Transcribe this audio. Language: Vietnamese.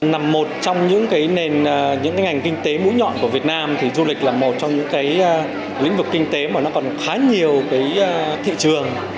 nằm một trong những ngành kinh tế mũi nhọn của việt nam thì du lịch là một trong những lĩnh vực kinh tế mà nó còn khá nhiều thị trường